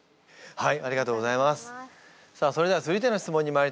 はい。